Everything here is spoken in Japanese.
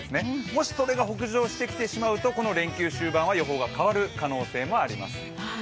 もしそれが北上してきてしまうとこの連休終盤は予報が変わる可能性もあります。